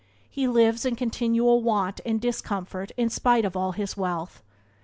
He lives in continual want and discomfort in spite of all his wealth.